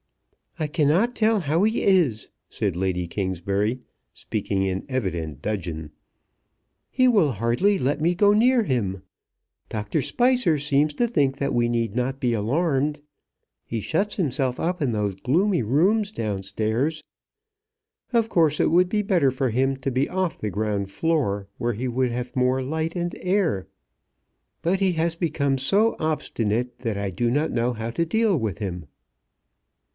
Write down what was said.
"I cannot tell how he is," said Lady Kingsbury, speaking in evident dudgeon. "He will hardly let me go near him. Doctor Spicer seems to think that we need not be alarmed. He shuts himself up in those gloomy rooms down stairs. Of course it would be better for him to be off the ground floor, where he would have more light and air. But he has become so obstinate, that I do not know how to deal with him."